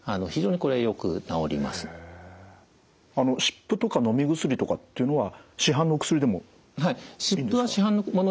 湿布とかのみ薬とかっていうのは市販のお薬でもいいんですか？